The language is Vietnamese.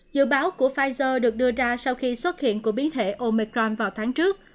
dự báo của pfizer được đưa ra sau khi xuất hiện của biến thể omecron vào tháng trước